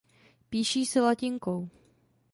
Píší se latinkou.